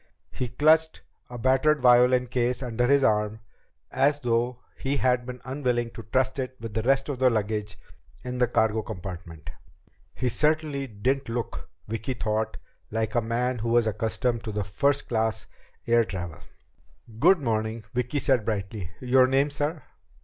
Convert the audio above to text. He clutched a battered violin case under his arm, as though he had been unwilling to trust it with the rest of the luggage in the cargo compartment. He certainly didn't look, Vicki thought, like a man who was accustomed to first class air travel. "Good morning," Vicki said brightly. "Your name, sir?"